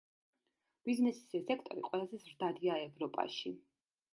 ბიზნესის ეს სექტორი ყველაზე ზრდადია ევროპაში.